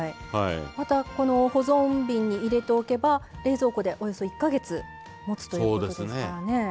またこの保存瓶に入れておけば冷蔵庫でおよそ１か月もつということですからね。